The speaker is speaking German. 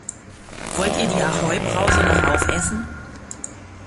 Wollt ihr die Ahoi-Brause noch aufessen?